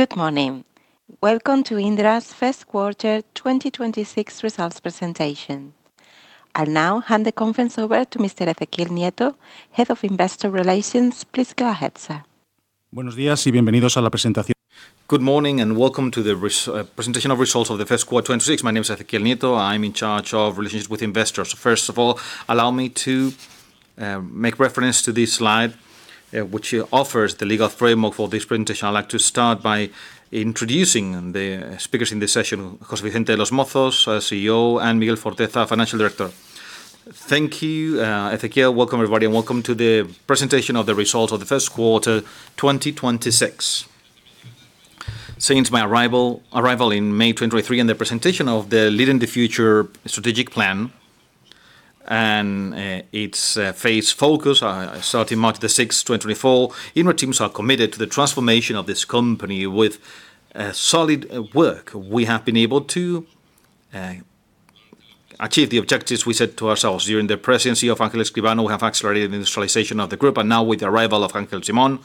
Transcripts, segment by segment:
Good morning. Welcome to Indra's first quarter 2026 results presentation. I'll now hand the conference over to Mr. Ezequiel Nieto, Head of Investor Relations. Please go ahead, sir. Good morning and welcome to the presentation of results of the first quarter 2026. My name is Ezequiel Nieto. I'm in charge of relations with investors. First of all, allow me to make reference to this slide, which offers the legal framework for this presentation. I'd like to start by introducing the speakers in this session, José Vicente de los Mozos, CEO, and Miguel Forteza, Financial Director. Thank you, Ezequiel. Welcome, everybody, and welcome to the presentation of the results of the first quarter 2026. Since my arrival in May 2023 and the presentation of the Leading the Future strategic plan and its phase focus, starting March 6, 2024, Indra teams are committed to the transformation of this company with solid work. We have been able to achieve the objectives we set to ourselves. During the presidency of Ángel Escribano, we have accelerated the industrialization of the group. Now with the arrival of Ángel Simón,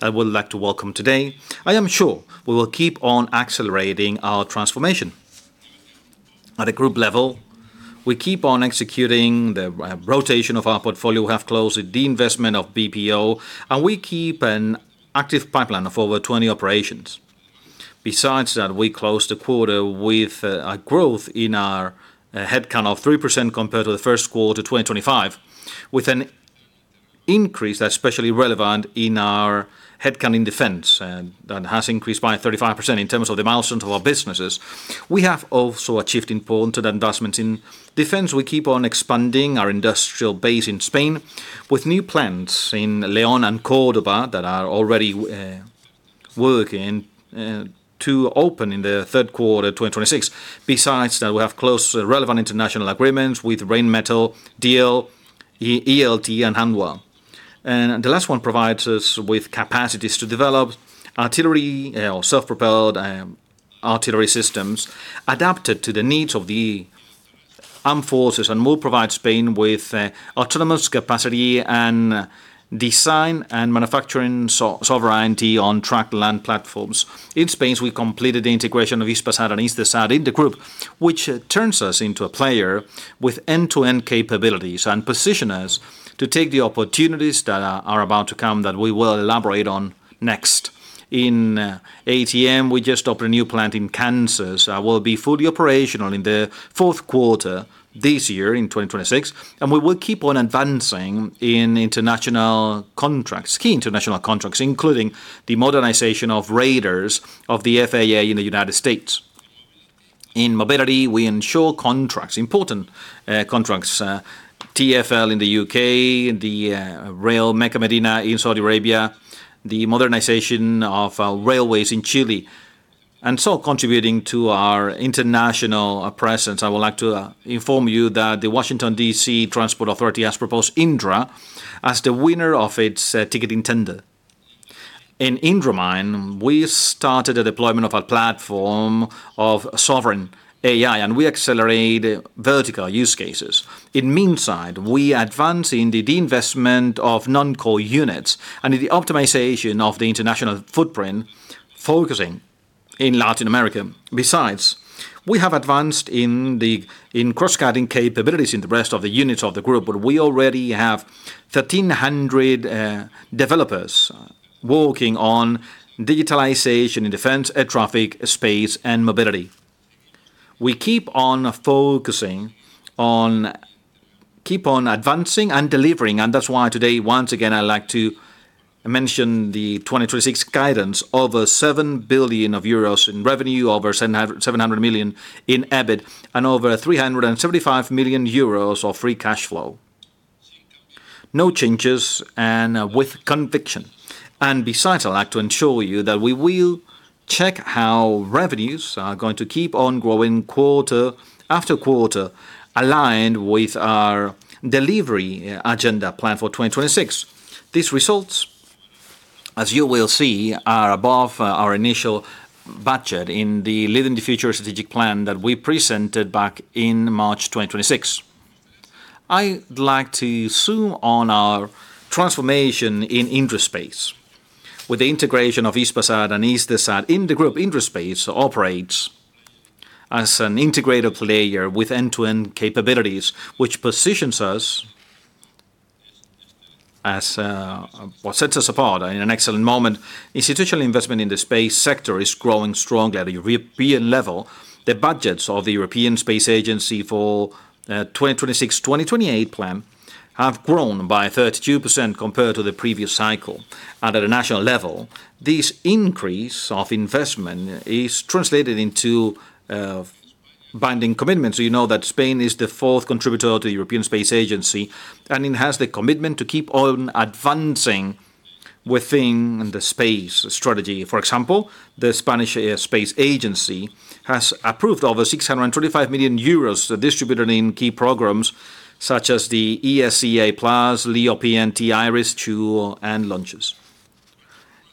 I would like to welcome today. I am sure we will keep on accelerating our transformation. At a group level, we keep on executing the rotation of our portfolio. We have closed the investment of BPO, and we keep an active pipeline of over 20 operations. Besides that, we closed the quarter with a growth in our headcount of 3% compared to the first quarter 2025, with an increase that's especially relevant in our headcount in defense, and that has increased by 35%. In terms of the milestones of our businesses, we have also achieved important investments in defense. We keep on expanding our industrial base in Spain with new plants in León and Córdoba that are already working to open in the third quarter 2026. Besides that, we have close relevant international agreements with Rheinmetall, Diehl, ELT and Hanwha. The last one provides us with capacities to develop artillery or self-propelled artillery systems adapted to the needs of the armed forces and will provide Spain with autonomous capacity and design and manufacturing sovereignty on tracked land platforms. In Spain, we completed the integration of Hispasat and Eutelsat in the group, which turns us into a player with end-to-end capabilities and position us to take the opportunities that are about to come that we will elaborate on next. In ATM, we just opened a new plant in Kansas, will be fully operational in the fourth quarter this year in 2026. We will keep on advancing in international contracts, key international contracts, including the modernization of radars of the FAA in the United States. In mobility, we ensure contracts, important contracts, TFL in the U.K., the rail Mecca-Medina in Saudi Arabia, the modernization of railways in Chile. Contributing to our international presence, I would like to inform you that the Washington, DC Transport Authority has proposed Indra as the winner of its ticketing tender. In IndraMind, we started the deployment of our platform of sovereign AI. We accelerate vertical use cases. In Minsait, we advance in the disinvestment of non-core units and in the optimization of the international footprint, focusing in Latin America. We have advanced in cross-cutting capabilities in the rest of the units of the group, where we already have 1,300 developers working on digitalization in defense, air traffic, space, and mobility. We keep on advancing and delivering, that's why today, once again, I'd like to mention the 2026 guidance, over 7 billion euros in revenue, over 700 million in EBIT, and over 375 million euros of free cash flow. No changes and with conviction. Besides, I'd like to ensure you that we will check how revenues are going to keep on growing quarter-after-quarter, aligned with our delivery agenda plan for 2026. These results, as you will see, are above our initial budget in the Leading the Future strategic plan that we presented back in March 2026. I'd like to zoom on our transformation in Indra Space. With the integration of Hispasat and Eutelsat in the group, Indra Space operates as an integrated player with end-to-end capabilities, which positions us as what sets us apart in an excellent moment. Institutional investment in the space sector is growing strongly at a European level. The budgets of the European Space Agency for 2026, 2028 plan have grown by 32% compared to the previous cycle. At a national level, this increase of investment is translated into binding commitments. You know that Spain is the fourth contributor to the European Space Agency, and it has the commitment to keep on advancing within the space strategy. For example, the Spanish Space Agency has approved over 625 million euros distributed in key programs such as the ESA+, LEO PNT, IRIS², and launches.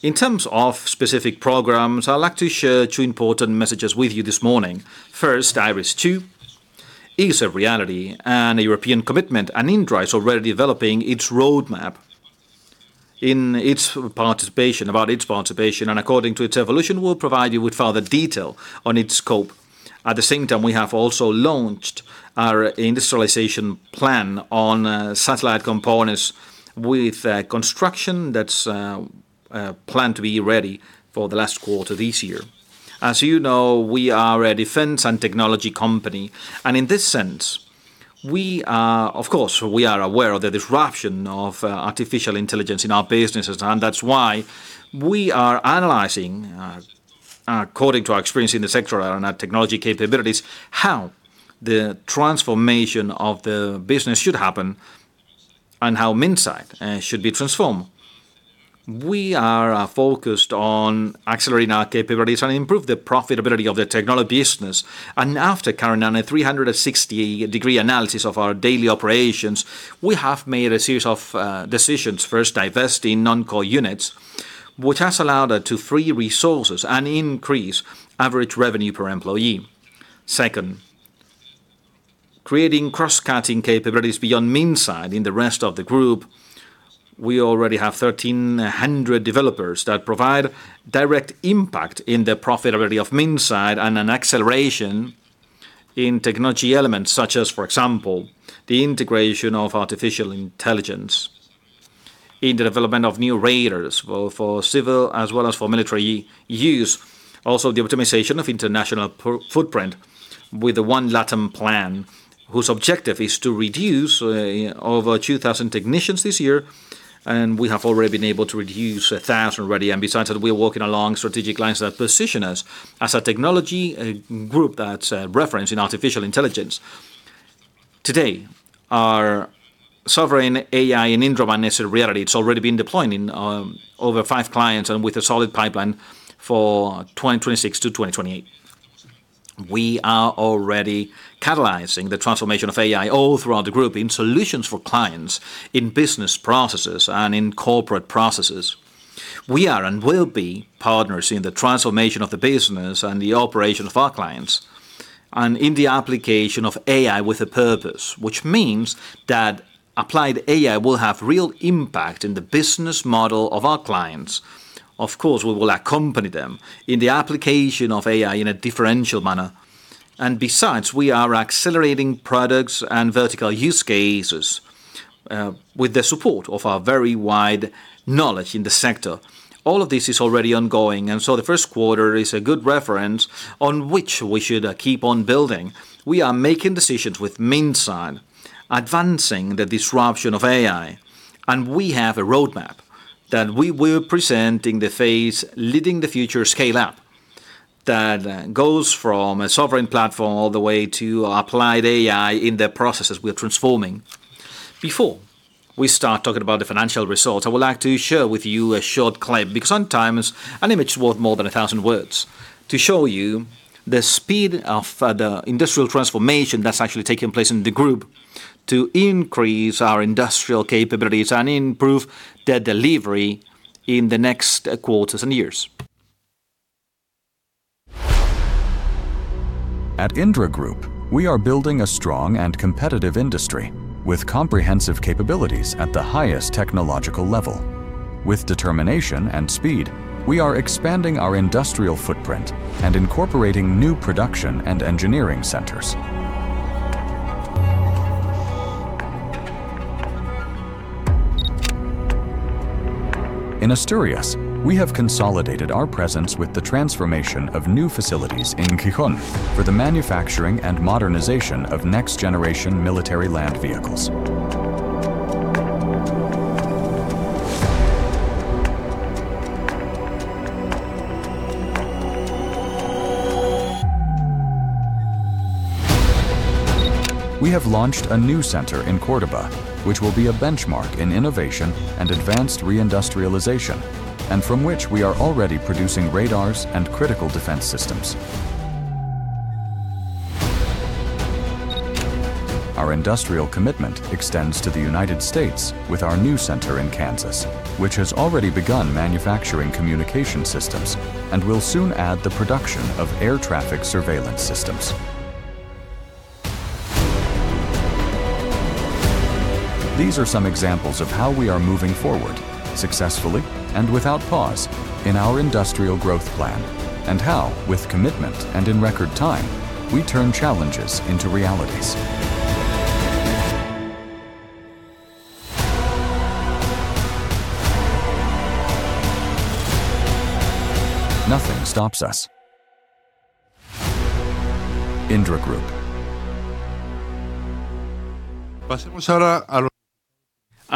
In terms of specific programs, I'd like to share two important messages with you this morning. First, IRIS² is a reality and a European commitment. Indra is already developing its roadmap in its participation, about its participation. According to its evolution, we'll provide you with further detail on its scope. At the same time, we have also launched our industrialization plan on satellite components with construction that's planned to be ready for the last quarter of this year. As you know, we are a defense and technology company. In this sense, we are, of course, we are aware of the disruption of artificial intelligence in our businesses. That's why we are analyzing, according to our experience in the sector and our technology capabilities, how the transformation of the business should happen and how Minsait should be transformed. We are focused on accelerating our capabilities and improve the profitability of the technology business. After carrying out a 360 degree analysis of our daily operations, we have made a series of decisions. First, divesting non-core units, which has allowed to free resources and increase average revenue per employee. Second, creating cross-cutting capabilities beyond Minsait in the rest of the group. We already have 1,300 developers that provide direct impact in the profitability of Minsait and an acceleration in technology elements such as, for example, the integration of artificial intelligence in the development of new radars for civil as well as for military use. Also, the optimization of international footprint with the One LATAM plan, whose objective is to reduce over 2,000 technicians this year, and we have already been able to reduce 1,000 already. Besides that, we're working along strategic lines that position us as a technology, a group that's referenced in artificial intelligence. Today, our sovereign AI in Indra is a reality. It's already been deployed in over five clients and with a solid pipeline for 2026-2028. We are already catalyzing the transformation of AI all throughout the group in solutions for clients, in business processes, and in corporate processes. We are and will be partners in the transformation of the business and the operation of our clients, and in the application of AI with a purpose, which means that applied AI will have real impact in the business model of our clients. Of course, we will accompany them in the application of AI in a differential manner. Besides, we are accelerating products and vertical use cases, with the support of our very wide knowledge in the sector. All of this is already ongoing, the first quarter is a good reference on which we should keep on building. We are making decisions with Minsait, advancing the disruption of AI, and we have a roadmap that we will present in the phase Leading the Future Scale Up that goes from a sovereign platform all the way to applied AI in the processes we're transforming. Before we start talking about the financial results, I would like to share with you a short clip, because sometimes an image is worth more than a thousand words, to show you the speed of the industrial transformation that's actually taking place in the Group to increase our industrial capabilities and improve the delivery in the next quarters and years. At Indra Group, we are building a strong and competitive industry with comprehensive capabilities at the highest technological level. With determination and speed, we are expanding our industrial footprint and incorporating new production and engineering centers. In Asturias, we have consolidated our presence with the transformation of new facilities in Gijón for the manufacturing and modernization of next-generation military land vehicles. We have launched a new center in Córdoba, which will be a benchmark in innovation and advanced reindustrialization, and from which we are already producing radars and critical defense systems. Our industrial commitment extends to the United States with our new center in Kansas, which has already begun manufacturing communication systems and will soon add the production of air traffic surveillance systems. These are some examples of how we are moving forward successfully and without pause in our industrial growth plan, and how, with commitment and in record time, we turn challenges into realities.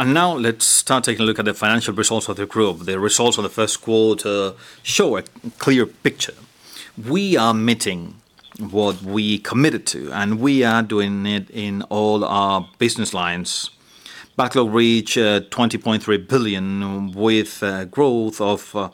Nothing stops us. Indra Group. Now let's start taking a look at the financial results of the group. The results of the first quarter show a clear picture. We are meeting what we committed to, and we are doing it in all our business lines. Backlog reached 20.3 billion, with growth of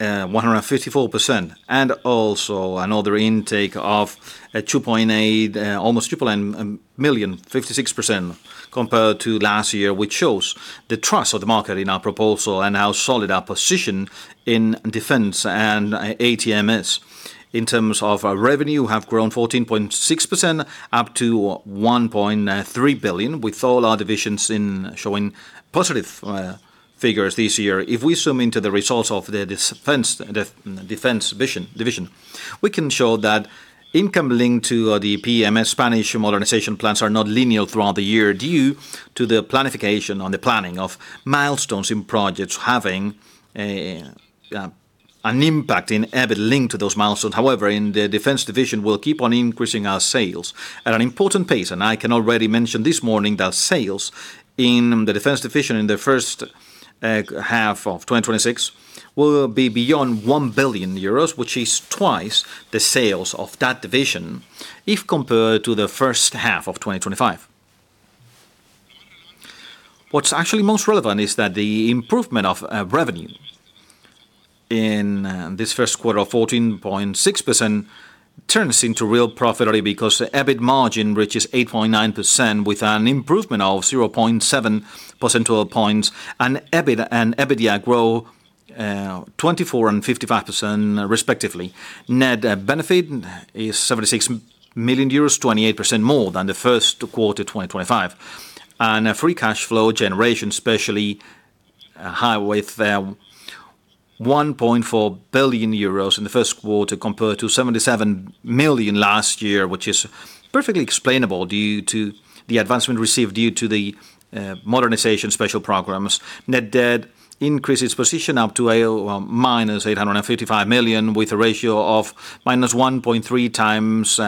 154%, and also another intake of 2.8, almost 2 million, 56% compared to last year, which shows the trust of the market in our proposal and how solid our position in defense and ATMS. In terms of revenue have grown 14.6% up to 1.3 billion with all our divisions showing positive figures this year. If we zoom into the results of the defense division, we can show that income linked to the PEMs Spanish modernization plans are not linear throughout the year due to the planification on the planning of milestones in projects having an impact in every link to those milestones. However, in the defense division, we'll keep on increasing our sales at an important pace. I can already mention this morning that sales in the defense division in the first half of 2026 will be beyond 1 billion euros, which is twice the sales of that division if compared to the first half of 2025. What's actually most relevant is that the improvement of revenue in this first quarter of 14.6% turns into real profit only because EBIT margin reaches 8.9% with an improvement of 0.7 percentage points and EBIT and EBITDA grow 24% and 55% respectively. Net benefit is 76 million euros, 28% more than the first quarter 2025. A free cash flow generation, especially high with 1.4 billion euros in the first quarter compared to 77 million last year, which is perfectly explainable due to the advancement received due to the Special Modernization Programs. Net debt increase its position up to -855 million with a ratio of -1.3x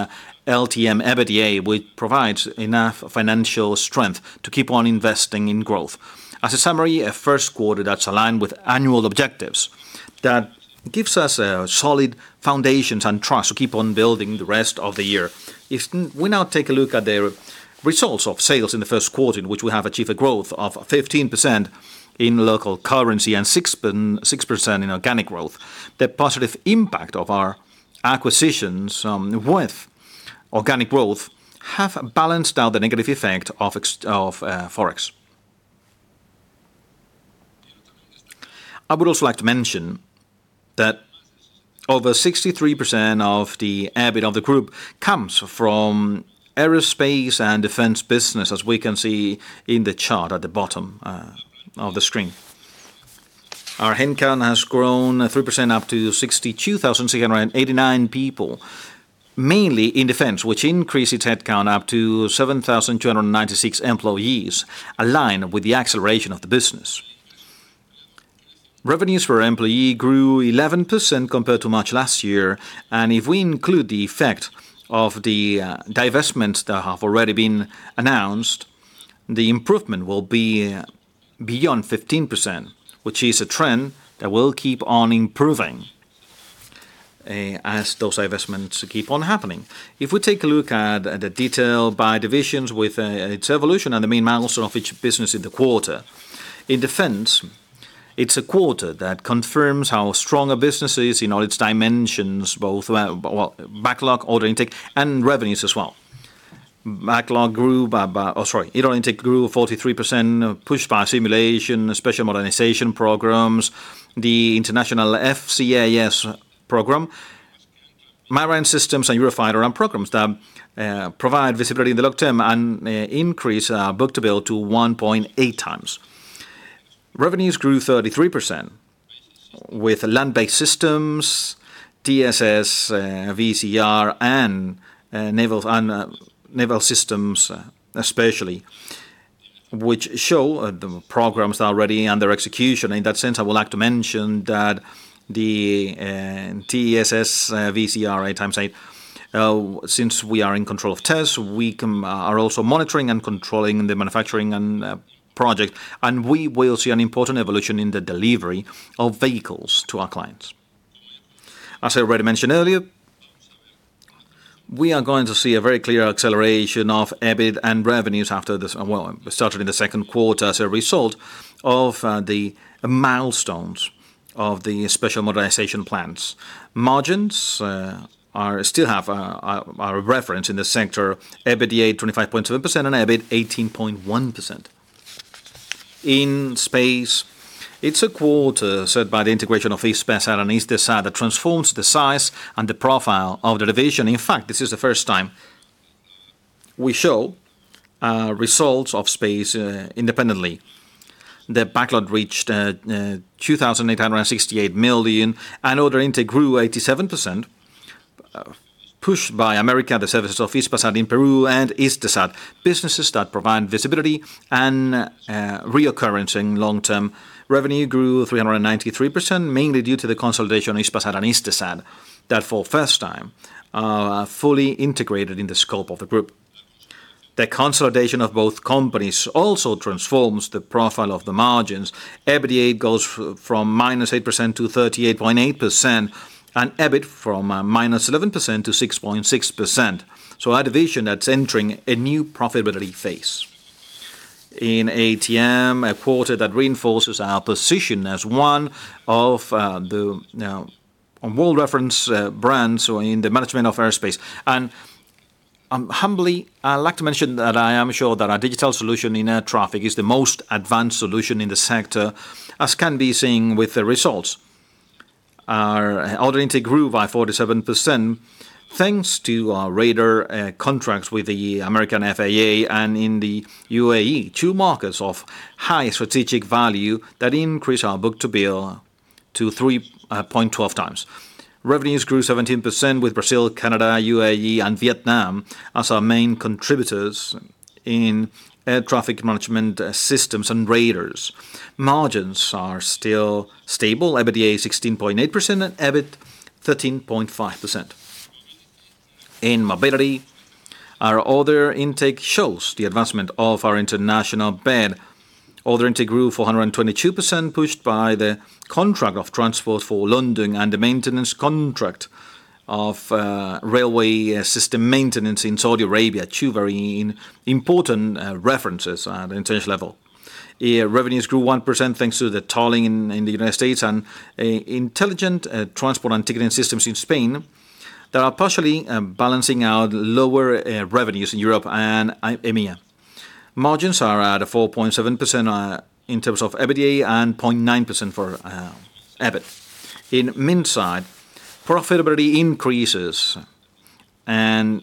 LTM EBITDA, which provides enough financial strength to keep on investing in growth. As a summary, a first quarter that's aligned with annual objectives, that gives us solid foundations and trust to keep on building the rest of the year. We now take a look at the results of sales in the first quarter in which we have achieved a growth of 15% in local currency and 6% in organic growth. The positive impact of our acquisitions, with organic growth have balanced out the negative effect of Forex. I would also like to mention that over 63% of the EBIT of the group comes from aerospace and defense business, as we can see in the chart at the bottom of the screen. Our headcount has grown 3% up to 62,689 people, mainly in defense, which increased its headcount up to 7,296 employees aligned with the acceleration of the business. Revenues per employee grew 11% compared to March last year, and if we include the effect of the divestments that have already been announced, the improvement will be beyond 15%, which is a trend that will keep on improving as those divestments keep on happening. If we take a look at the detail by divisions with its evolution and the main milestones of each business in the quarter. In defense, it's a quarter that confirms how strong a business is in all its dimensions, both well, backlog, order intake, and revenues as well. Backlog grew by about... Oh, sorry. Order intake grew 43%, pushed by simulation, Special Modernization Programs, the international FCAS program, marine systems and Eurofighter programs that provide visibility in the long term and increase book-to-bill to 1.8x. Revenues grew 33% with land-based systems, TESS, VCR and naval and naval systems especially, which show the programs already under execution. In that sense, I would like to mention that the TESS VCR 8x8, since we are in control of TESS, we are also monitoring and controlling the manufacturing and project, and we will see an important evolution in the delivery of vehicles to our clients. As I already mentioned earlier, we are going to see a very clear acceleration of EBIT and revenues after this started in the second quarter as a result of the milestones of the Special Modernization Programs. Margins are still a reference in the sector, EBITDA at 25.7% and EBIT 18.1%. In space, it's a quarter set by the integration of Hispasat and Eutelsat that transforms the size and the profile of the division. In fact, this is the first time we show results of space independently. The backlog reached 2,868 million, and order intake grew 87% pushed by America, the services of Hispasat in Peru and Eutelsat. Businesses that provide visibility and reoccurrence in long term. Revenue grew 393%, mainly due to the consolidation of Hispasat and Eutelsat that for first time fully integrated in the scope of the group. The consolidation of both companies also transforms the profile of the margins. EBITDA goes from -8% to 38.8% and EBIT from -11% to 6.6%. A division that's entering a new profitability phase. In ATM, a quarter that reinforces our position as one of the now world reference brands in the management of airspace. Humbly, I'd like to mention that I am sure that our digital solution in air traffic is the most advanced solution in the sector, as can be seen with the results. Our order intake grew by 47% thanks to our radar contracts with the American FAA and in the UAE, two markets of high strategic value that increase our book-to-bill to 3.12x. Revenues grew 17% with Brazil, Canada, UAE, and Vietnam as our main contributors in air traffic management systems and radars. Margins are still stable, EBITDA 16.8% and EBIT 13.5%. In mobility, our order intake shows the advancement of our international bed. Order intake grew 422%, pushed by the contract of Transport for London and the maintenance contract of railway system maintenance in Saudi Arabia, two very important references at international level. Revenues grew 1% thanks to the tolling in the United States and intelligent transport and ticketing systems in Spain that are partially balancing out lower revenues in Europe and EMEA. Margins are at a 4.7% in terms of EBITDA and 0.9% for EBIT. In Minsait, profitability increases and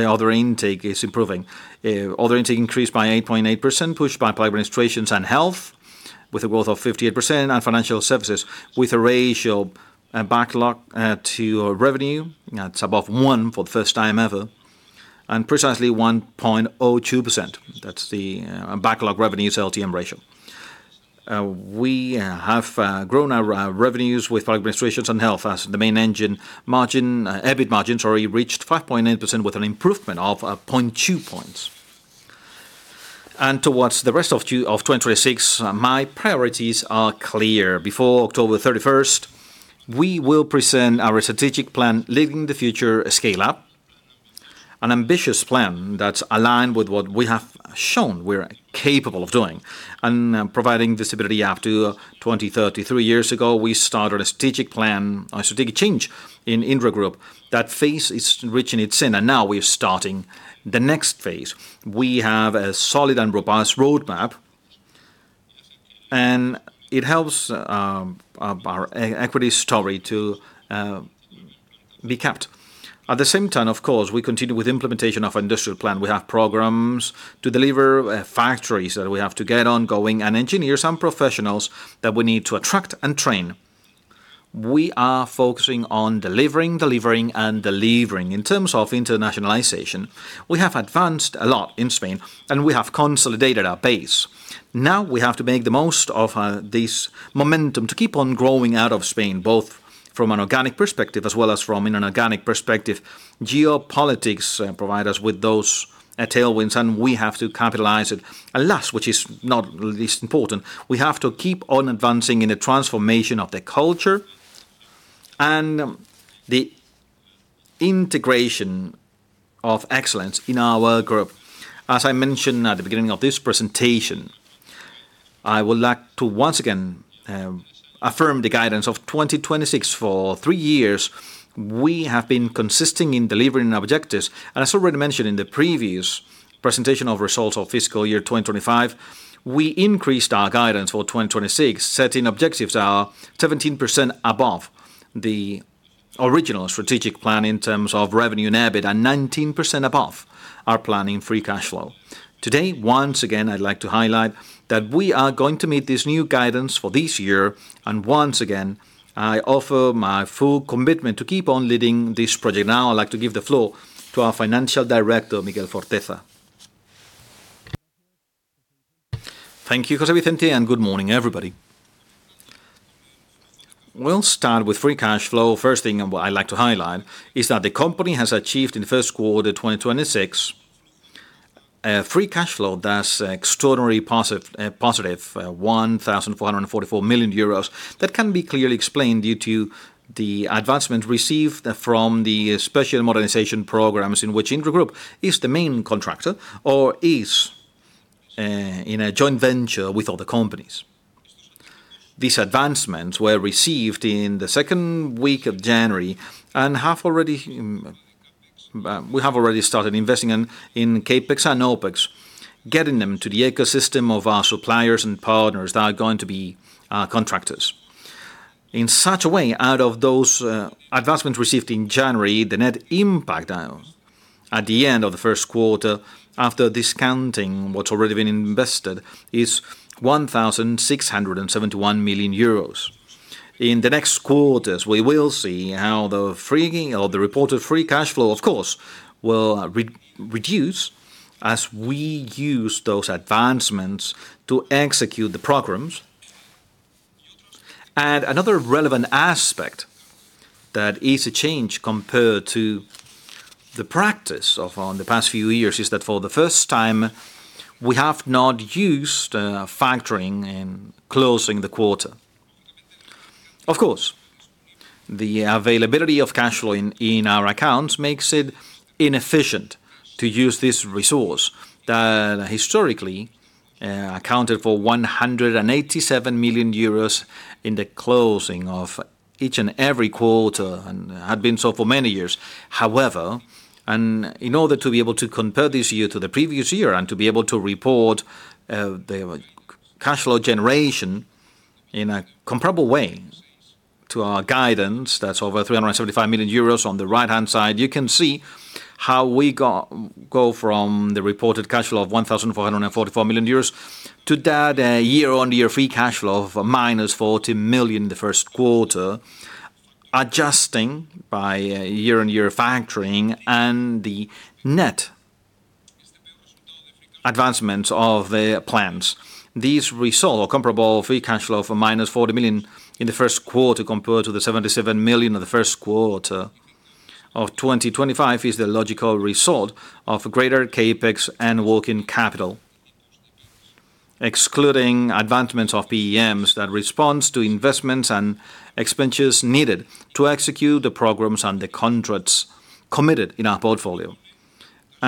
order intake is improving. Order intake increased by 8.8%, pushed by public administrations and health with a growth of 58% and financial services with a ratio, backlog to revenue, it's above one for the first time ever, and precisely 1.02%. That's the backlog revenues LTM ratio. We have grown our revenues with public administrations and health as the main engine margin, EBIT margins already reached 5.8% with an improvement of 0.2 points. Towards the rest of 2026, my priorities are clear. Before October 31st, we will present our strategic plan, Leading the Future Scale Up, an ambitious plan that's aligned with what we have shown we're capable of doing and providing visibility up to 2030. Three years ago, we started a strategic plan, a strategic change in Indra Group. That phase is reaching its end, and now we're starting the next phase. We have a solid and robust roadmap, and it helps our equity story to be kept. At the same time, of course, we continue with implementation of industrial plan. We have programs to deliver, factories that we have to get ongoing and engineers and professionals that we need to attract and train. We are focusing on delivering, and delivering. In terms of internationalization, we have advanced a lot in Spain, we have consolidated our base. Now we have to make the most of this momentum to keep on growing out of Spain, both from an organic perspective as well as from an inorganic perspective. Geopolitics provide us with those tailwinds, and we have to capitalize it. Last, which is not least important, we have to keep on advancing in the transformation of the culture and the integration of excellence in our group. As I mentioned at the beginning of this presentation, I would like to once again affirm the guidance of 2026. For three years, we have been consistent in delivering objectives. As already mentioned in the previous presentation of results of fiscal year 2025, we increased our guidance for 2026, setting objectives are 17% above the original strategic plan in terms of revenue and EBIT, and 19% above our planning free cash flow. Today, once again, I'd like to highlight that we are going to meet this new guidance for this year, and once again, I offer my full commitment to keep on leading this project. Now I'd like to give the floor to our financial director, Miguel Forteza. Thank you, José Vicente, and good morning, everybody. We'll start with free cash flow. First thing what I'd like to highlight is that the company has achieved in first quarter 2026 a free cash flow that's extraordinarily positive 1,444 million euros. That can be clearly explained due to the advancement received from the Special Modernization Programs in which Indra Group is the main contractor or is in a joint venture with other companies. These advancements were received in the second week of January and have already, we have already started investing in CapEx and OpEx, getting them to the ecosystem of our suppliers and partners that are going to be our contractors. In such a way, out of those advancements received in January, the net impact at the end of the first quarter after discounting what's already been invested is 1,671 million euros. In the next quarters, we will see how the freeing or the reported free cash flow, of course, will reduce as we use those advancements to execute the programs. Another relevant aspect that is a change compared to the practice of the past few years is that for the first time, we have not used factoring in closing the quarter. Of course, the availability of cash flow in our accounts makes it inefficient to use this resource that historically accounted for 187 million euros in the closing of each and every quarter and had been so for many years. However, in order to be able to compare this year to the previous year and to be able to report the cash flow generation in a comparable way to our guidance, that's over 375 million euros on the right-hand side, you can see how we go from the reported cash flow of 1,444 million euros to that year-over-year free cash flow of minuEUR -40 million the first quarter, adjusting by year-over-year factoring and the net advancements of the plans. These result comparable free cash flow of -40 million in the first quarter compared to the 77 million in the first quarter of 2025 is the logical result of greater CapEx and working capital, excluding advancements of PEMs that responds to investments and expenditures needed to execute the programs and the contracts committed in our portfolio.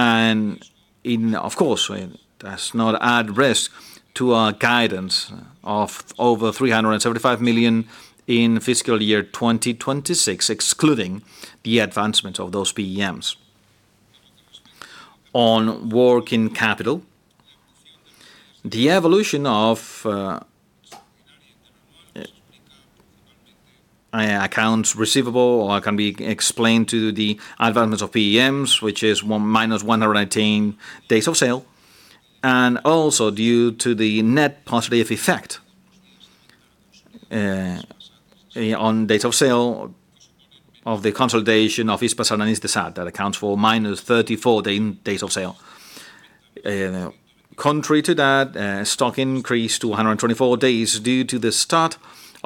In, of course, that's not at risk to our guidance of over 375 million in FY 2026, excluding the advancement of those PEMs. On working capital, the evolution of accounts receivable can be explained to the advancements of PEMs, which is -118 days of sale, and also due to the net positive effect on days of sale of the consolidation of Hispasat and Eutelsat that accounts for -34 days of sale. Contrary to that, stock increased to 124 days due to the start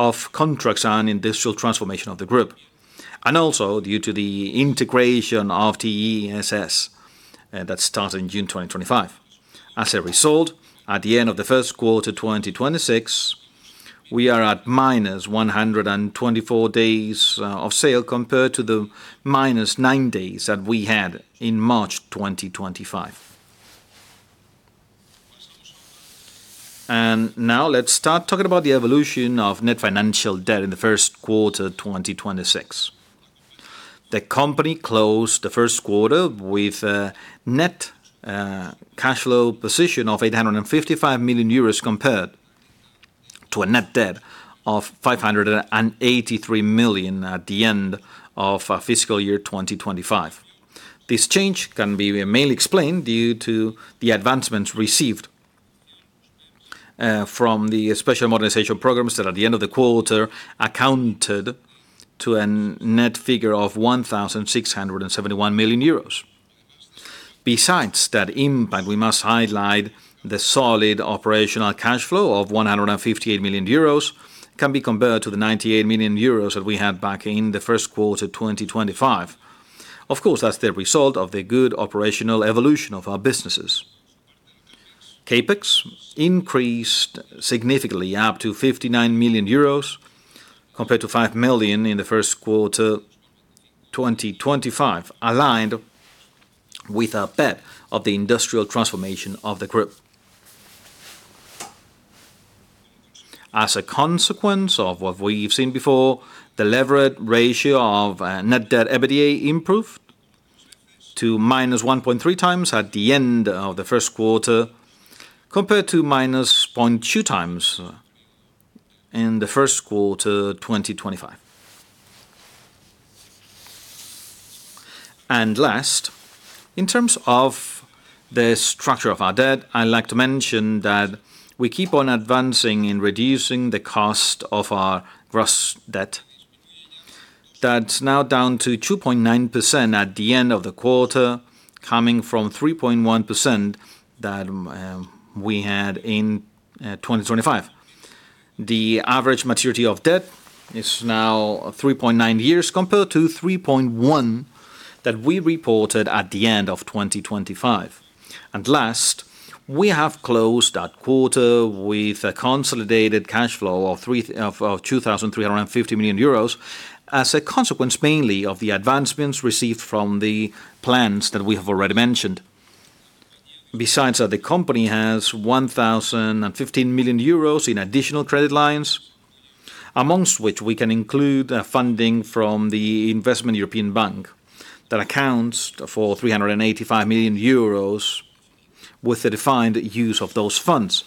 of contracts and industrial transformation of the group, and also due to the integration of TESS that started in June 2025. As a result at the end of the first quarter 2026, we are at -124 days of sale compared to the -9 days that we had in March 2025. Now let's start talking about the evolution of net financial debt in the first quarter 2026. The company closed the first quarter with a net cash flow position of 855 million euros compared to a net debt of 583 million at the end of fiscal year 2025. This change can be mainly explained due to the advancements received from the Special Modernization Programs that at the end of the quarter accounted to a net figure of 1,671 million euros. Besides that impact, we must highlight the solid operational cash flow of 158 million euros can be compared to the 98 million euros that we had back in the first quarter 2025. Of course, that's the result of the good operational evolution of our businesses. CapEx increased significantly up to 59 million euros compared to 5 million in the first quarter 2025, aligned with our bet of the industrial transformation of the group. As a consequence of what we've seen before, the levered ratio of net debt EBITDA improved to -1.3x at the end of the first quarter compared to -0.2x in the first quarter 2025. Last, in terms of the structure of our debt, I'd like to mention that we keep on advancing in reducing the cost of our gross debt. That's now down to 2.9% at the end of the quarter, coming from 3.1% that we had in 2025. The average maturity of debt is now 3.9 years compared to 3.1% that we reported at the end of 2025. Last, we have closed that quarter with a consolidated cash flow of 2,350 million euros as a consequence mainly of the advancements received from the plans that we have already mentioned. Besides that, the company has 1,015 million euros in additional credit lines, amongst which we can include a funding from the European Investment Bank that accounts for 385 million euros with the defined use of those funds.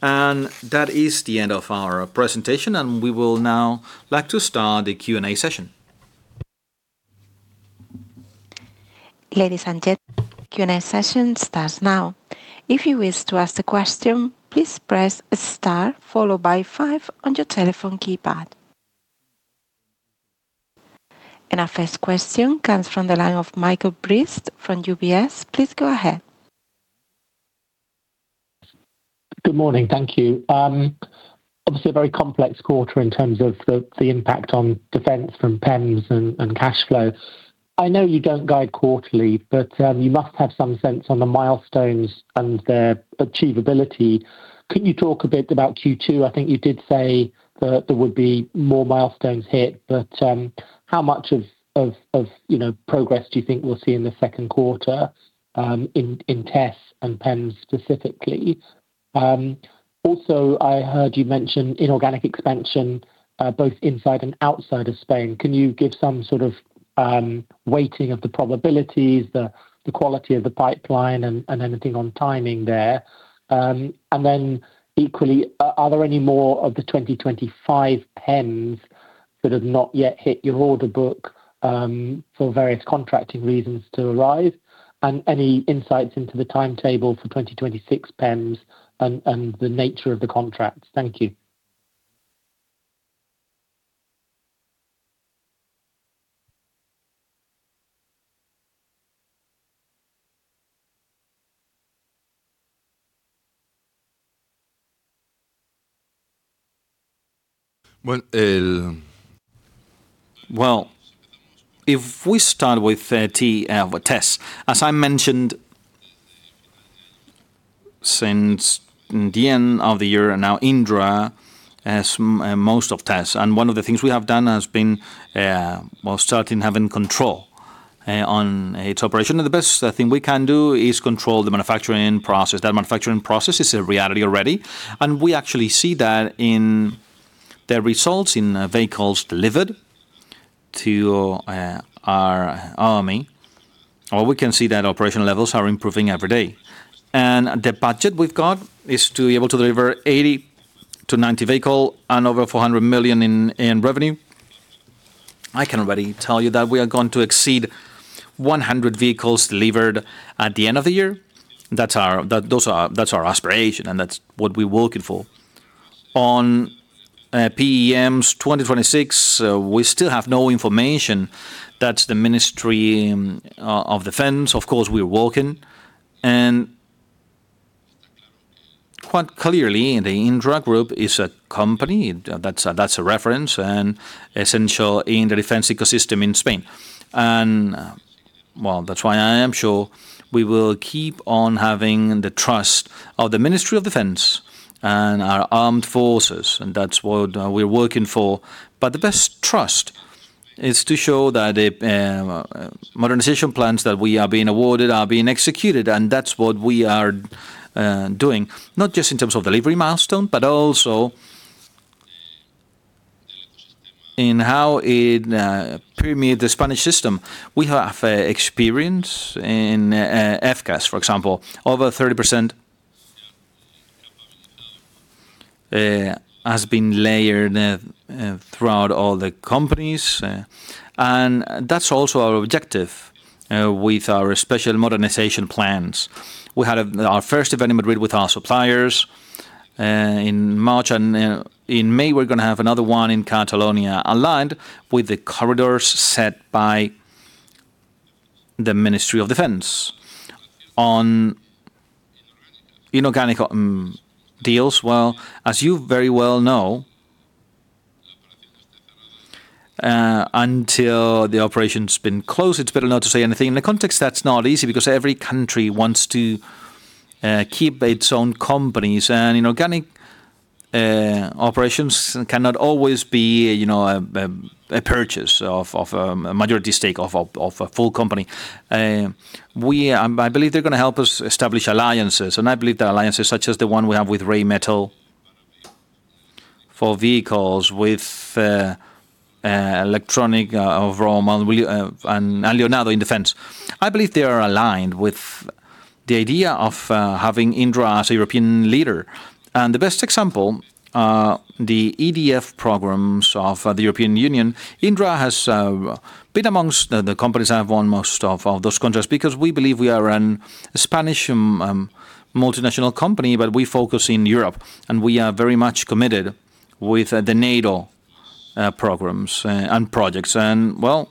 That is the end of our presentation, we will now like to start the Q&A session. Ladies and gents, Q&A session starts now. If you wish to ask a question, please press star followed by five on your telephone keypad. Our first question comes from the line of Michael Briest from UBS. Please go ahead. Good morning. Thank you. Obviously a very complex quarter in terms of the impact on defense from PEMs and cash flow. I know you don't guide quarterly. You must have some sense on the milestones and their achievability. Could you talk a bit about Q2? I think you did say that there would be more milestones hit. How much of, you know, progress do you think we'll see in the second quarter in TESS and PEMs specifically? Also, I heard you mention inorganic expansion, both inside and outside of Spain. Can you give some sort of weighting of the probabilities, the quality of the pipeline and anything on timing there? Equally, are there any more of the 2025 PEMs that have not yet hit your order book for various contracting reasons to arrive? Any insights into the timetable for 2026 PEMs and the nature of the contracts? Thank you. If we start with TESS, as I mentioned, since the end of the year, Indra has most of TESS, and one of the things we have done has been, well, certainly having control on its operation. The best thing we can do is control the manufacturing process. That manufacturing process is a reality already, and we actually see that in the results in, vehicles delivered to, our army, or we can see that operation levels are improving every day. The budget we've got is to be able to deliver 80 to 90 vehicle and over 400 million in revenue. I can already tell you that we are going to exceed 100 vehicles delivered at the end of the year. That's our aspiration, and that's what we're working for. On PEMs 2026, we still have no information. That's the Ministry of Defense. Of course, we're working. Quite clearly, the Indra Group is a company that's a reference and essential in the defense ecosystem in Spain. Well, that's why I am sure we will keep on having the trust of the Ministry of Defense and our armed forces, and that's what we're working for. The best trust is to show that the modernization plans that we are being awarded are being executed, and that's what we are doing, not just in terms of delivery milestone, but also in how it permeate the Spanish system. We have experience in FCAS, for example. Over 30% has been layered throughout all the companies. That's also our objective with our Special Modernization Programs. We had our first event in Madrid with our suppliers in March, and in May, we're going to have another one in Catalonia, aligned with the corridors set by the Ministry of Defense. On inorganic deals, well, as you very well know, until the operation's been closed, it's better not to say anything. In the context, that's not easy because every country wants to keep its own companies. Inorganic operations cannot always be, you know, a purchase of a majority stake of a full company. We, I believe they're gonna help us establish alliances, I believe the alliances such as the one we have with Rheinmetall for vehicles, with electronic of Leonardo in defense. I believe they are aligned with the idea of having Indra as a European leader. The best example, the EDF programs of the European Union, Indra has been amongst the companies that have won most of those contracts because we believe we are a Spanish multinational company, but we focus in Europe, we are very much committed with the NATO programs and projects. Well,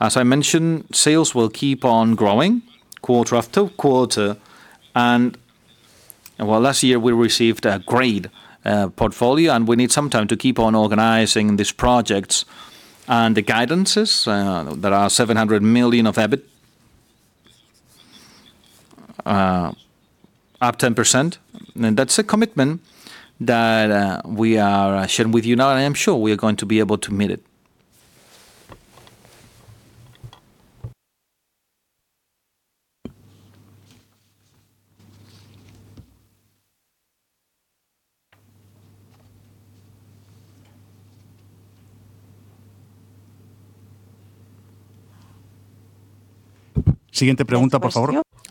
as I mentioned, sales will keep on growing quarter-after-quarter. Well, last year we received a great portfolio, and we need some time to keep on organizing these projects. The guidances, there are 700 million of EBIT up 10%. That's a commitment that we are sharing with you now, and I am sure we are going to be able to meet it.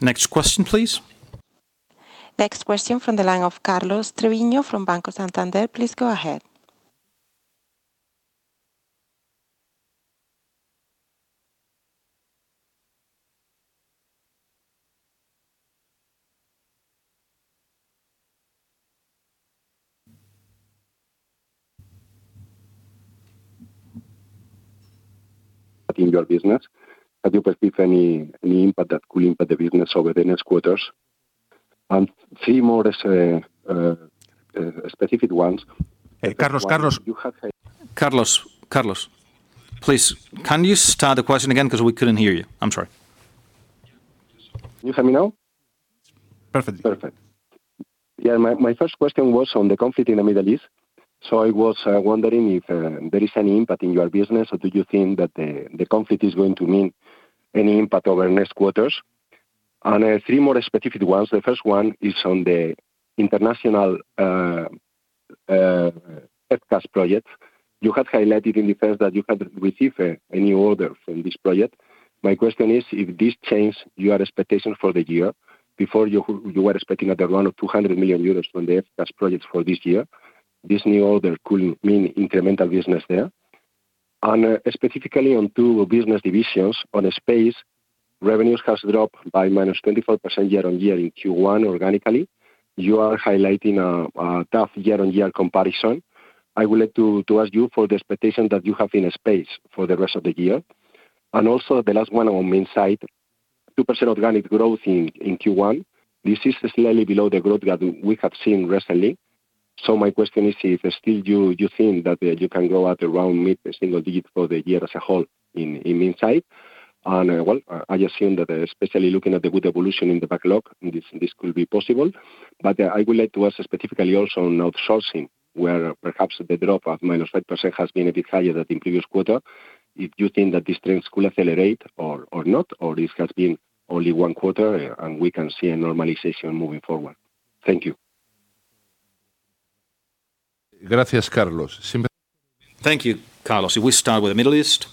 Next question, please. Next question from the line of Carlos Treviño from Banco Santander. Please go ahead. In your business, have you perceived any impact that could impact the business over the next quarters? Three more as specific ones. Hey, Carlos. Carlos. Please, can you start the question again? 'Cause we couldn't hear you. I'm sorry. You hear me now? Perfect. Yeah, my first question was on the conflict in the Middle East. I was wondering if there is any impact in your business, or do you think that the conflict is going to mean any impact over the next quarters? Three more specific ones. The first one is on the international FCAS project. You had highlighted in the past that you hadn't received any order from this project. My question is if this changed your expectation for the year. Before you were expecting at around 200 million euros from the FCAS project for this year. This new order could mean incremental business there. Specifically on two business divisions. On Space, revenues has dropped by -24% year-on-year in Q1 organically. You are highlighting a tough year-on-year comparison. I would like to ask you for the expectation that you have in Space for the rest of the year. Also the last one on Minsait, 2% organic growth in Q1. This is slightly below the growth that we have seen recently. My question is if still you think that you can go at around mid-single digits for the year as a whole in Minsait? Well, I assume that especially looking at the good evolution in the backlog, this could be possible. I would like to ask specifically also on outsourcing, where perhaps the drop of -8% has been a bit higher than in previous quarter, if you think that this trend could accelerate or not, or this has been only one quarter and we can see a normalization moving forward. Thank you. Thank you, Carlos. We start with the Middle East,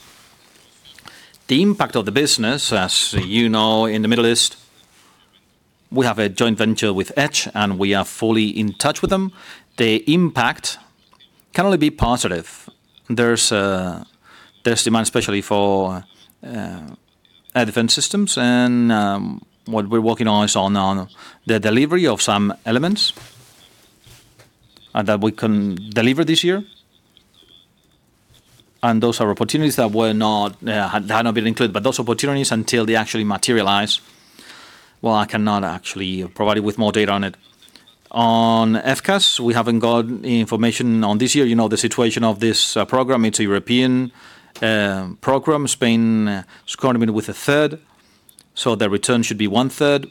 the impact of the business, as you know, in the Middle East, we have a joint venture with Edge, and we are fully in touch with them. The impact can only be positive. There's demand especially for advanced systems and what we're working on is on the delivery of some elements and that we can deliver this year. Those are opportunities that were not had not been included. Those opportunities until they actually materialize, well, I cannot actually provide you with more data on it. On FCAS, we haven't got information on this year. You know the situation of this program. It's a European program. Spain is committed with a third, the return should be 1/3.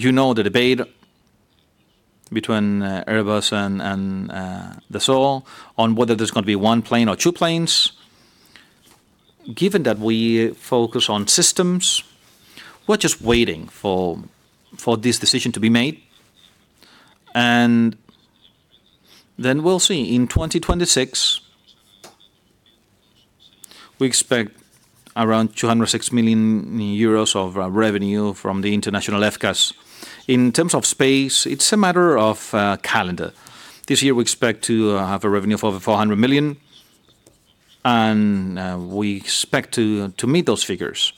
You know the debate between Airbus and Dassault on whether there's gonna be one plane or two planes. Given that we focus on systems, we're just waiting for this decision to be made. Then we'll see. In 2026, we expect around 206 million euros of revenue from the international FCAS. In terms of space, it's a matter of calendar. This year we expect to have a revenue of over 400 million, and we expect to meet those figures.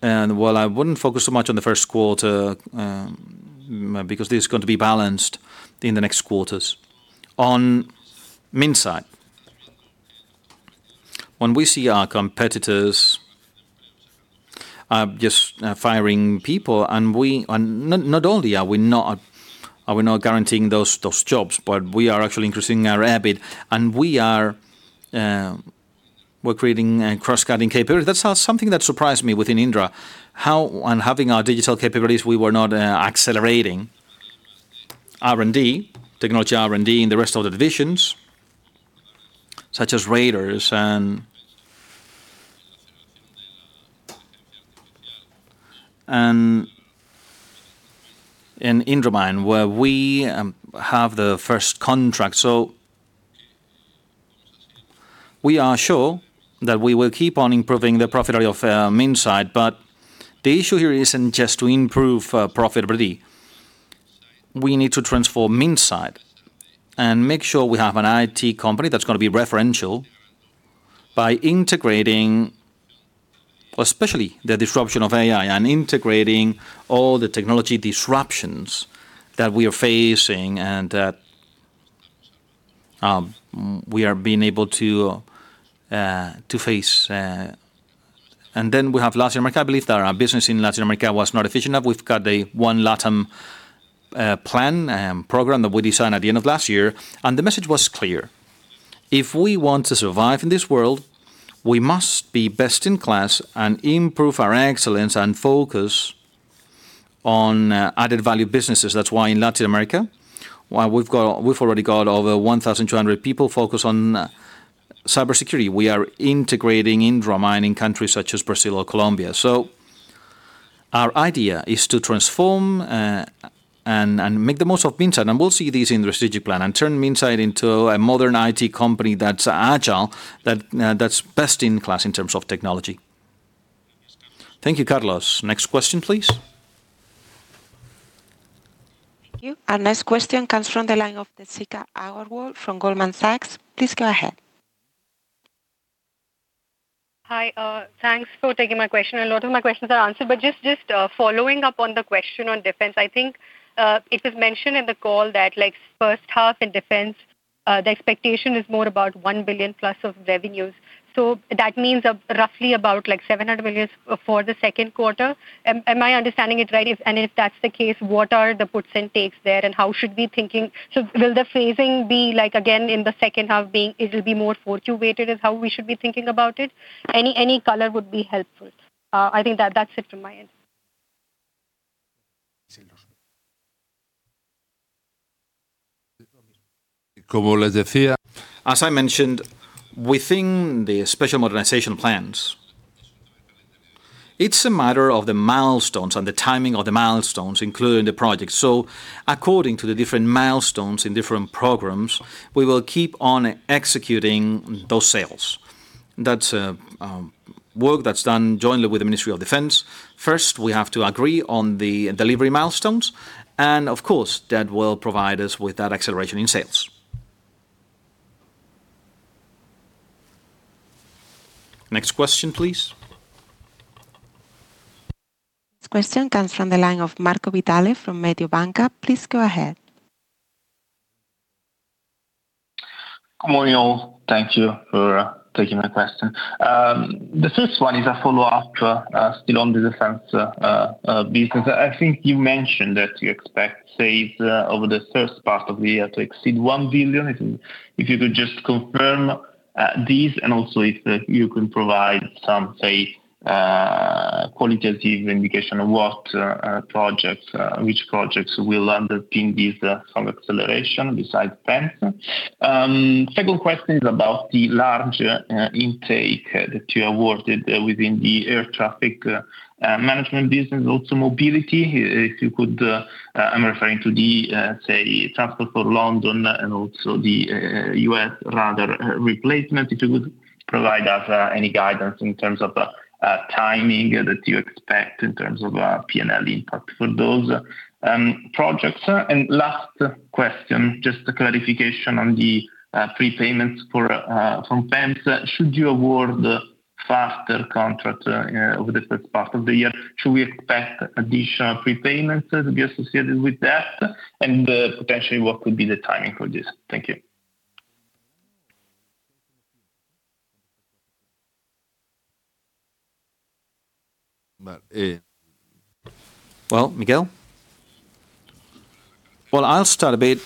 While I wouldn't focus so much on the first quarter, because this is going to be balanced in the next quarters. On Minsait, when we see our competitors are just firing people, not only are we not guaranteeing those jobs, but we are actually increasing our EBIT, and we're creating a cross-cutting capability. That's something that surprised me within Indra, how on having our digital capabilities, we were not accelerating R&D, technology R&D in the rest of the divisions, such as radars and in IndraMind, where we have the first contract. We are sure that we will keep on improving the profitability of Minsait. The issue here isn't just to improve profitability. We need to transform Minsait and make sure we have an IT company that's gonna be referential by integrating, especially the disruption of AI, integrating all the technology disruptions that we are facing and that we are being able to face. We have Latin America. I believe that our business in Latin America was not efficient enough. We've got a One LATAM plan, program that we designed at the end of last year, the message was clear: If we want to survive in this world, we must be best in class and improve our excellence and focus on added value businesses. That's why in Latin America, why we've already got over 1,200 people focused on cybersecurity. We are integrating IndraMind in countries such as Brazil or Colombia. Our idea is to transform and make the most of Minsait, and we'll see this in the strategic plan, and turn Minsait into a modern IT company that's agile, that's best in class in terms of technology. Thank you, Carlos. Next question, please. Thank you. Our next question comes from the line of Deepshikha Agarwal from Goldman Sachs. Please go ahead. Hi. Thanks for taking my question. A lot of my questions are answered, but just following up on the question on defense. I think it was mentioned in the call that like first half in defense, the expectation is more about 1 billion+ of revenues. That means roughly about like 700 million for the second quarter. Am I understanding it right? If that's the case, what are the puts and takes there, and how should we be thinking? Will the phasing be like again in the second half being it will be more four-quarter weighted, is how we should be thinking about it? Any color would be helpful. I think that that's it from my end. As I mentioned, within the Special Modernization Programs, it's a matter of the milestones and the timing of the milestones included in the project. According to the different milestones in different programs, we will keep on executing those sales. That's work that's done jointly with the Ministry of Defense. First, we have to agree on the delivery milestones, and of course, that will provide us with that acceleration in sales. Next question, please. This question comes from the line of Marco Vitale from Mediobanca. Please go ahead. Good morning, all. Thank you for taking my question. The first one is a follow-up to still on the defense business. I think you mentioned that you expect sales over the first part of the year to exceed 1 billion. If you could just confirm this, and also if you can provide some, say, qualitative indication of what projects, which projects will underpin this acceleration besides PEMs. Second question is about the large intake that you awarded within the air traffic management business, also mobility. If you could, I'm referring to the, say, Transport for London and also the U.S. radar replacement. If you could provide us any guidance in terms of timing that you expect in terms of P&L impact for those projects. Last question, just a clarification on the prepayments for from PEMs. Should you award faster contract over the first part of the year? Should we expect additional prepayments to be associated with that? Potentially, what could be the timing for this? Thank you. Well, Miguel? Well, I'll start a bit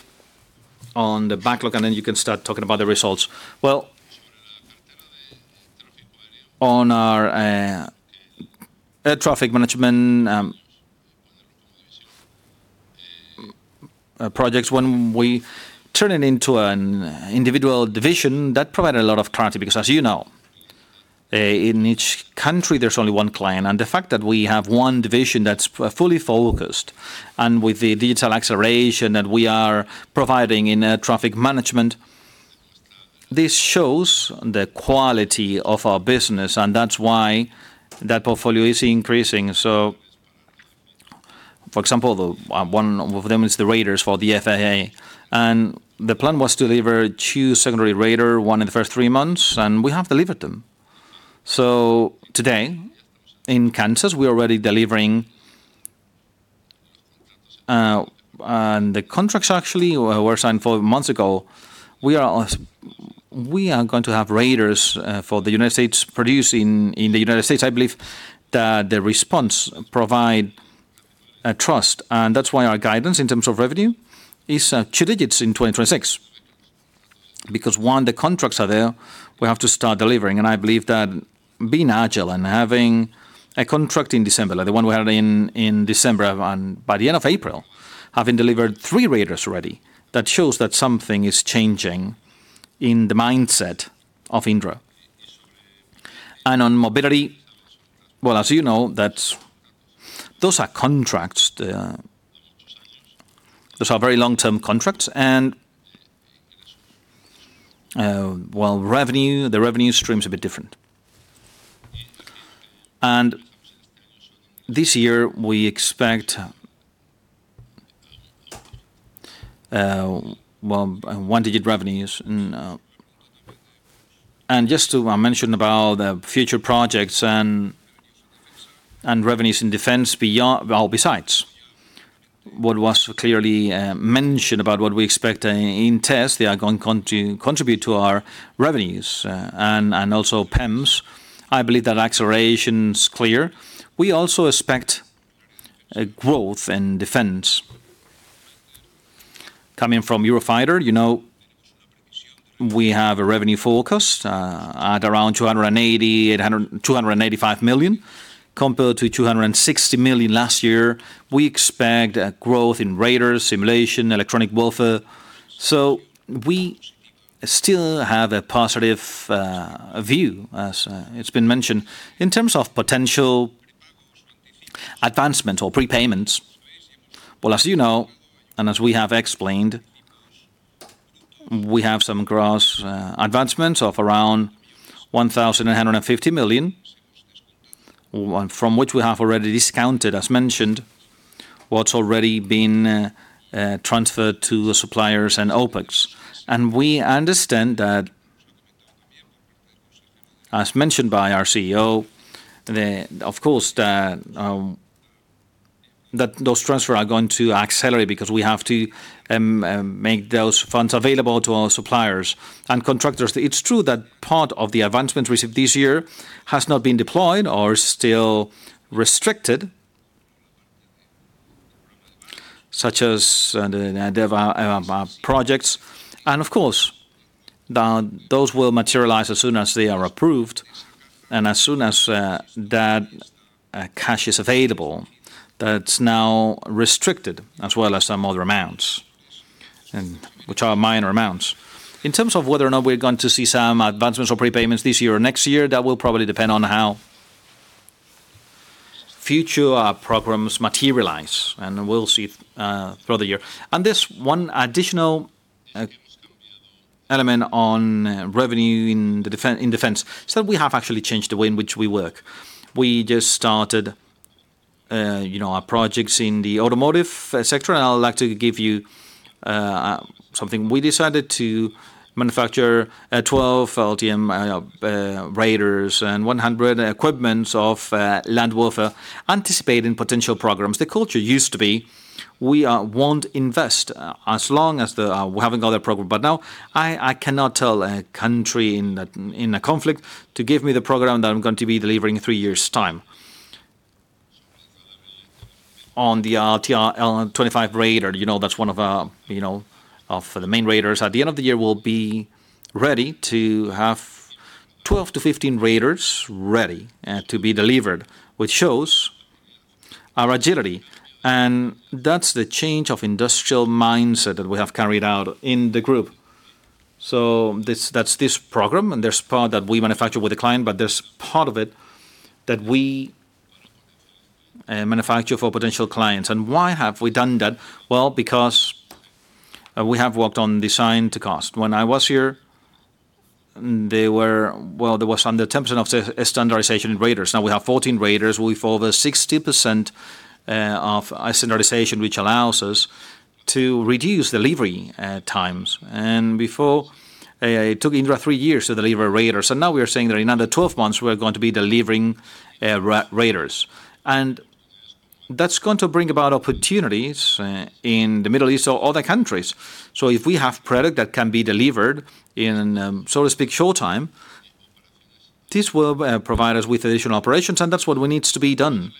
on the backlog, and then you can start talking about the results. Well, on our air traffic management projects, when we turn it into an individual division, that provided a lot of clarity because as you know, in each country, there's only one client. The fact that we have one division that's fully focused and with the digital acceleration that we are providing in air traffic management, this shows the quality of our business, and that's why that portfolio is increasing. For example, one of them is the radars for the FAA, and the plan was to deliver two secondary radar, one in the first three months, and we have delivered them. Today in Kansas, we're already delivering, and the contracts actually were signed four months ago. We are going to have radars for the U.S. produced in the U.S. I believe that the response provide a trust, and that's why our guidance in terms of revenue is a digits in 2026. Because one, the contracts are there, we have to start delivering. And I believe that being agile and having a contract in December, like the one we had in December, and by the end of April, having delivered three radars already, that shows that something is changing in the mindset of Indra. And on mobility, well, as you know, that those are contracts. Those are very long-term contracts and, well, revenue, the revenue stream is a bit different. And this year we expect, well, single-digit revenues. Just to mention about the future projects and revenues in defense. Well, besides what was clearly mentioned about what we expect in TESS Defence, they are going to contribute to our revenues. Also PEMs, I believe that acceleration's clear. We also expect a growth in defense coming from Eurofighter. You know, we have a revenue forecast at around 285 million compared to 260 million last year. We expect a growth in radar, simulation, electronic warfare. We still have a positive view, as it's been mentioned. In terms of potential advancement or prepayments, well, as you know, and as we have explained, we have some gross advancements of around 1,150 million, from which we have already discounted, as mentioned, what's already been transferred to the suppliers and OpEx. We understand that, as mentioned by our CEO, Of course, that those transfers are going to accelerate because we have to make those funds available to our suppliers and contractors. It's true that part of the advancement received this year has not been deployed or still restricted. Such as the DEVA projects. Of course, now those will materialize as soon as they are approved and as soon as that cash is available that's now restricted, as well as some other amounts, and which are minor amounts. In terms of whether or not we're going to see some advancements or prepayments this year or next year, that will probably depend on how future programs materialize, and we'll see through the year. There's one additional element on revenue in the defense, is that we have actually changed the way in which we work. We just started, you know, our projects in the automotive sector, and I would like to give you something. We decided to manufacture 12 LTM radars and 100 equipments of land warfare, anticipating potential programs. The culture used to be we won't invest as long as we haven't got a program. I cannot tell a country in a conflict to give me the program that I'm going to be delivering in three years' time. On the LTR-25 radar, you know, that's one of our, you know, of the main radars. At the end of the year we'll be ready to have 12 to 15 radars ready to be delivered, which shows our agility, and that's the change of industrial mindset that we have carried out in the group. This, that's this program, and there's part that we manufacture with the client, but there's part of it that we manufacture for potential clients. Why have we done that? Well, because we have worked on Design to Cost. When I was here, they were. Well, there was under attempts of standardization in radars. Now we have 14 radars with over 60% of standardization, which allows us to reduce delivery times. Before, it took Indra three years to deliver a radar, so now we are saying that in under 12 months we are going to be delivering radars. That's going to bring about opportunities in the Middle East or other countries. If we have product that can be delivered in, so to speak, short time, this will provide us with additional operations. That's what needs to be done.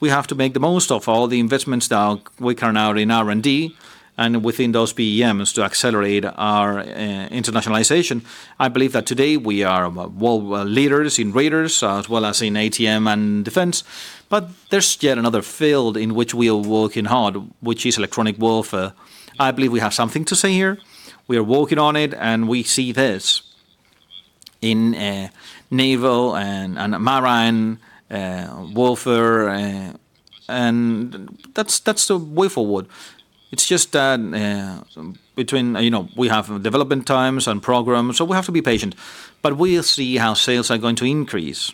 We have to make the most of all the investments that we carry out in R&D and within those VMs to accelerate our internationalization. I believe that today we are world leaders in radars, as well as in ATM and defense. There's yet another field in which we are working hard, which is electronic warfare. I believe we have something to say here. We are working on it, and we see this in naval and marine warfare, and that's the way forward. It's just that, you know, we have development times and programs, so we have to be patient, but we'll see how sales are going to increase.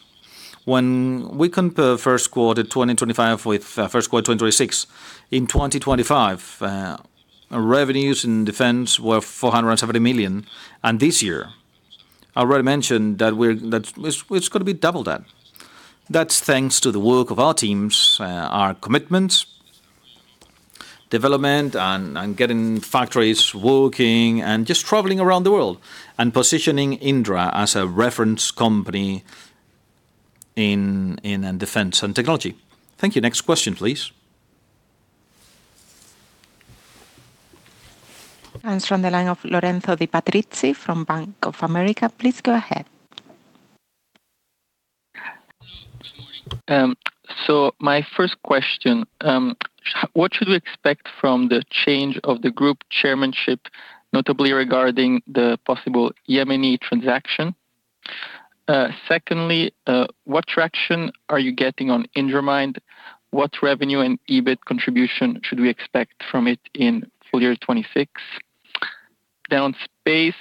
When we compare first quarter 2025 with first quarter 2026, in 2025, revenues in defense were 470 million, and this year I already mentioned that we're that it's going to be double that. That's thanks to the work of our teams, our commitment, development, and getting factories working and just traveling around the world and positioning Indra as a reference company in defense and technology. Thank you. Next question please. From the line of Lorenzo Di Patrizi from Bank of America. Please go ahead. My first question, what should we expect from the change of the group chairmanship, notably regarding the possible ITP Aero transaction? Secondly, what traction are you getting on IndraMind? What revenue and EBIT contribution should we expect from it in full year 2026? On space,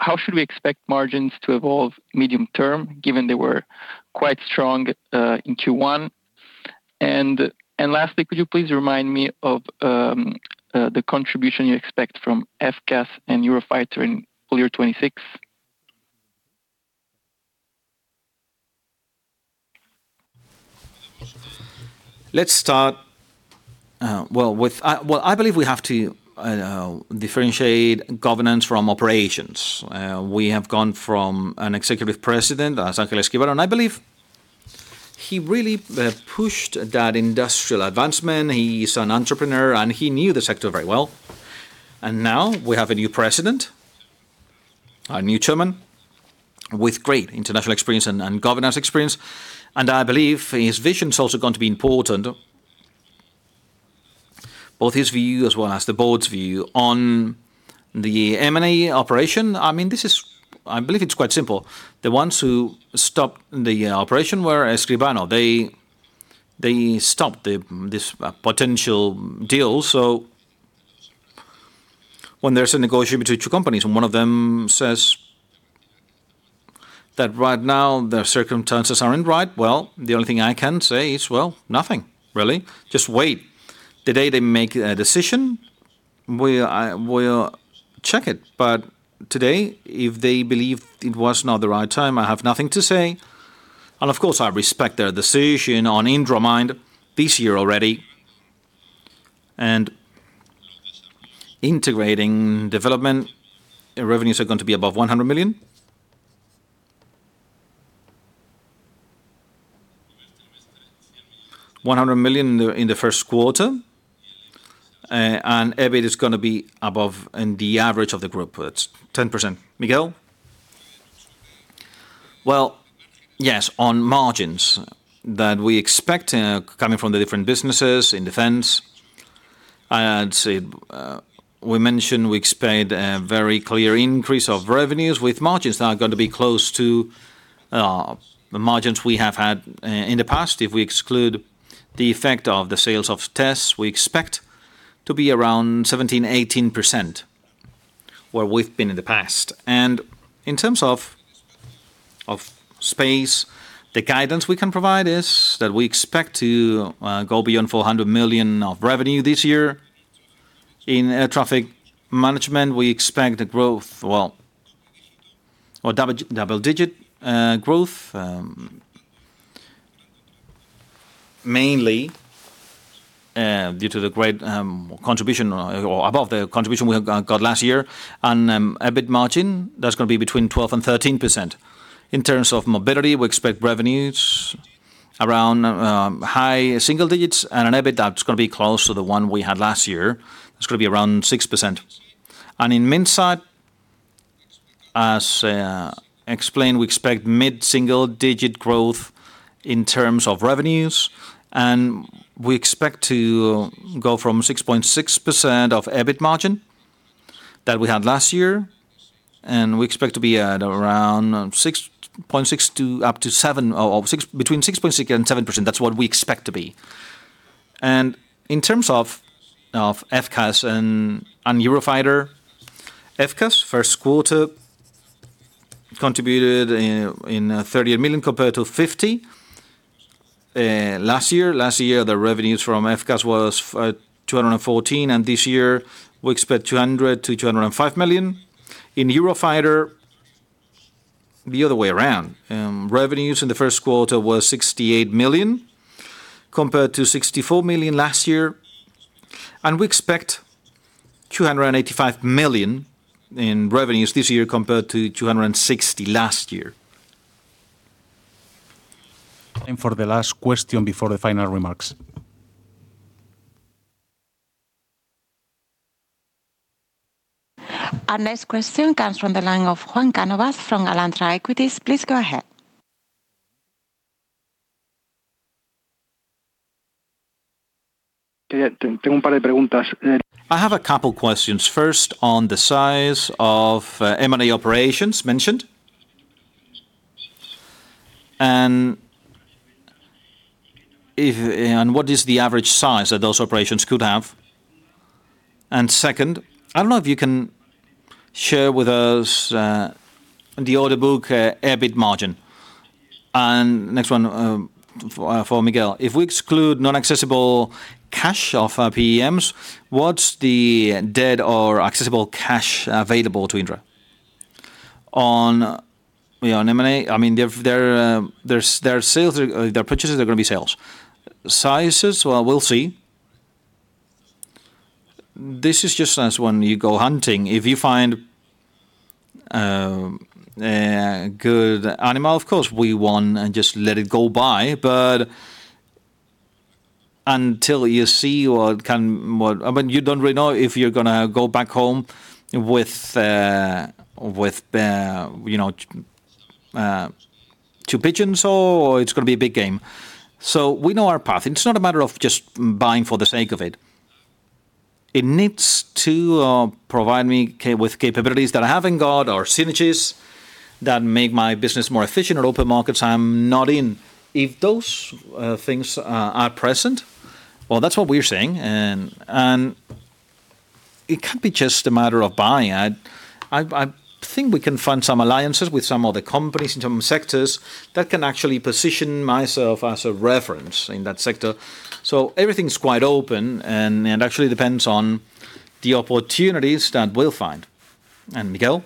how should we expect margins to evolve medium term, given they were quite strong in Q1? Lastly, could you please remind me of the contribution you expect from FCAS and Eurofighter in full year 2026? Let's start, well, I, well, I believe we have to differentiate governance from operations. We have gone from an executive president, that's Ángel Escribano, I believe he really pushed that industrial advancement. He's an entrepreneur, he knew the sector very well. Now we have a new president, a new chairman with great international experience and governance experience, I believe his vision's also going to be important, both his view as well as the board's view. On the M&A operation, I mean, this is, I believe it's quite simple. The ones who stopped the operation were Ángel Escribano. They stopped the, this potential deal. When there's a negotiation between two companies and one of them says that right now the circumstances aren't right, well, the only thing I can say is, well, nothing really. Just wait. The day they make a decision, we'll check it. Today, if they believe it was not the right time, I have nothing to say. Of course, I respect their decision on IndraMind. This year already, and integrating development, revenues are going to be above 100 million. 100 million in the first quarter. EBIT is gonna be above, in the average of the group. It's 10%. Miguel? Well, yes. On margins that we expect, coming from the different businesses in defense, I'd say, we mentioned we expect a very clear increase of revenues with margins that are gonna be close to the margins we have had in the past. If we exclude the effect of the sales of TESS, we expect to be around 17%-18%, where we've been in the past. In terms of space, the guidance we can provide is that we expect to go beyond 400 million of revenue this year. In air traffic management, we expect a double-digit growth, mainly due to the great contribution or above the contribution we have got last year. EBIT margin, that's gonna be between 12% and 13%. In terms of mobility, we expect revenues around high single-digits and an EBIT that's gonna be close to the one we had last year. It's gonna be around 6%. In Minsait, as explained, we expect mid-single digit growth in terms of revenues, and we expect to go from 6.6% of EBIT margin that we had last year, and we expect to be at around 6.6% to up to 7. Between 6.6% and 7%. That's what we expect to be. In terms of FCAS and Eurofighter, FCAS first quarter contributed 30 million compared to 50 million last year. Last year, the revenues from FCAS was 214 million. This year we expect 200 million-205 million. In Eurofighter, the other way around. Revenues in the first quarter was 68 million compared to 64 million last year. We expect 285 million in revenues this year compared to 260 million last year. Time for the last question before the final remarks. Our next question comes from the line of Juan Cánovas from Alantra Equities. Please go ahead. I have a couple questions. First, on the size of M&A operations mentioned. If, and what is the average size that those operations could have? Second, I don't know if you can share with us the order book EBIT margin. Next one, for Miguel. If we exclude non-accessible cash of PEMs, what's the debt or accessible cash available to Indra? On M&A, I mean, they've, they're, their sales are, their purchases are gonna be sales. Sizes, well, we'll see. This is just as when you go hunting. If you find a good animal, of course we won't just let it go by. Until you see or can what. I mean, you don't really know if you're gonna go back home with, you know, two pigeons or it's gonna be a big game. We know our path. It's not a matter of just buying for the sake of it. It needs to provide me with capabilities that I haven't got or synergies that make my business more efficient or open markets I'm not in. If those things are present, well, that's what we're saying. It can't be just a matter of buying. I think we can find some alliances with some other companies in some sectors that can actually position myself as a reference in that sector. Everything's quite open, and it actually depends on the opportunities that we'll find Miguel?.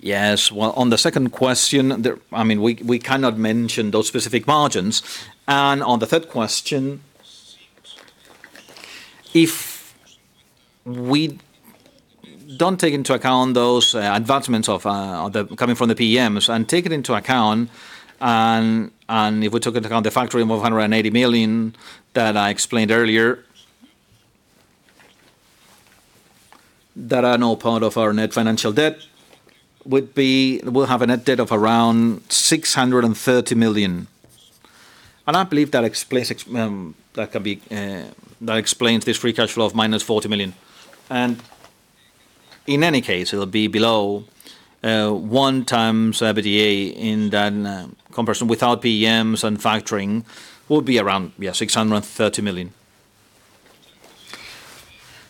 Yes. Well, on the second question. I mean, we cannot mention those specific margins. On the third question, if we don't take into account those advancements coming from the PEMs and if we took into account the factoring of 180 million that I explained earlier, that are now part of our net financial debt, we'll have a net debt of around 630 million. I believe that explains, that can be, that explains this free cash flow of -40 million. In any case, it'll be below 1x EBITDA in that comparison. Without PEMs and factoring, would be around, yeah, 630 million.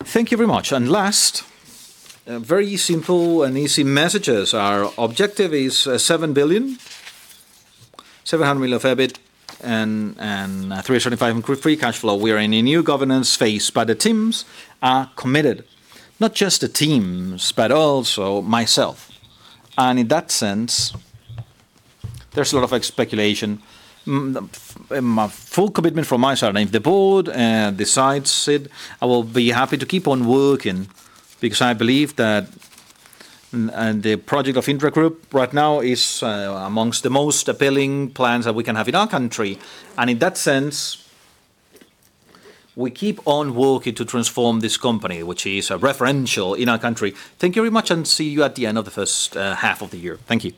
Thank you very much. Last, very simple and easy messages. Our objective is 7 billion of EBIT and 375 in free cash flow. We are in a new governance phase, but the teams are committed. Not just the teams, but also myself. Full commitment from my side. If the board decides it, I will be happy to keep on working, because I believe that the project of Indra Group right now is amongst the most appealing plans that we can have in our country. In that sense, we keep on working to transform this company, which is a referential in our country. Thank you very much, and see you at the end of the first half of the year. Thank you.